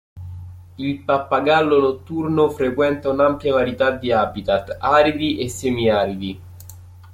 Il pappagallo notturno frequenta un'ampia varietà di "habitat" aridi e semi-aridi.